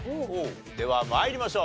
では参りましょう。